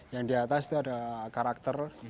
yang di atas itu ada karakter